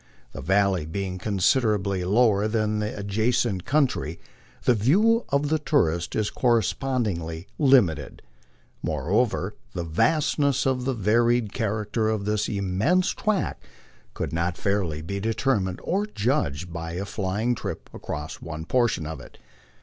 The valley being considerably lower than the adjacent country, the view of the tourist is correspondingly lim ited. Moreover, the vastness and varied character of this immense tract could not fairly be determined or judged of by a flying trip across one portion of it.